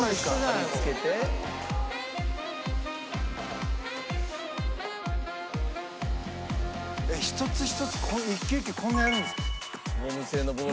「貼り付けて」「一つ一つ一球一球こんなやるんですか？」